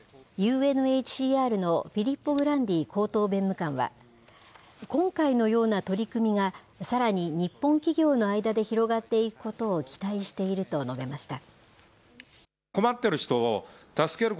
ＵＮＨＣＲのフィリッポ・グランディ高等弁務官は、今回のような取り組みが、さらに日本企業の間で広がっていくことを期待していると述べました。